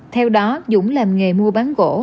theo đó dũng làm nghề mua bán gỗ